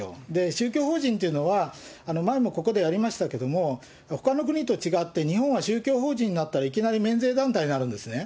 宗教法人っていうのは、前もここでやりましたけれども、ほかの国と違って、日本は宗教法人になったらいきなり免税団体になるんですね。